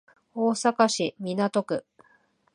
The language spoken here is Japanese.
大阪市港区